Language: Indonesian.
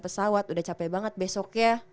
pesawat udah capek banget besoknya